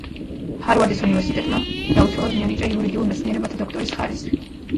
ჰარვარდის უნივერსიტეტმა დაუცველად მიანიჭა იურიდიულ მეცნიერებათა დოქტორის ხარისხი.